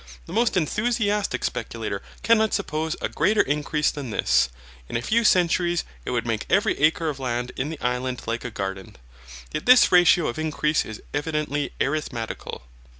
The most enthusiastic speculator cannot suppose a greater increase than this. In a few centuries it would make every acre of land in the Island like a garden. Yet this ratio of increase is evidently arithmetical.